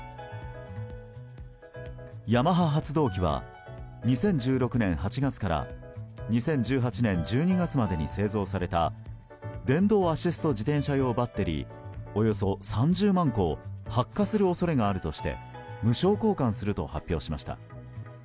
ヤマハ発動機は２０１６年８月から２０１８年１２月までに製造された電動アシスト自転車用バッテリーおよそ３０万個を発火する恐れがあるとして無償交換すると発表しました。